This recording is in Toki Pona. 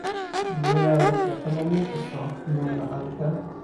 mi wile lukin e tomo mi. taso mi lon ma ante.